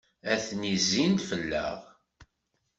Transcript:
Atni zzin-d fell-aɣ.